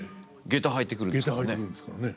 下駄履いてくるんですからね。